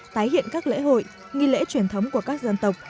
tái hiện các lễ hội nghi lễ truyền thống của các dân tộc